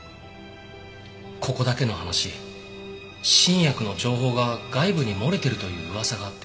ここだけの話新薬の情報が外部に漏れてるという噂があって。